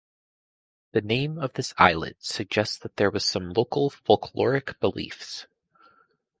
The name of this islet suggests that there were some local folkloric beliefs.